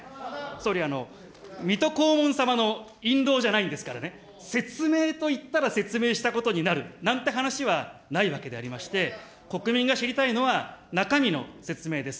総理、水戸黄門様の印籠じゃないんですからね、説明と言ったら説明したことになるなんて話はないわけでありまして、国民が知りたいのは、中身の説明です。